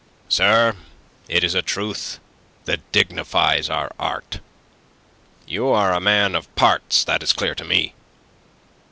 Sir, it is a truth that dignifies our art. You are a man of parts, that is clear to me.